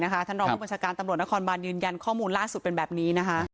ท่านรองคุณบริษัทการ์ตำรวจนครบรรย์ยืนยันข้อมูลล่าสุดเป็นแบบนี้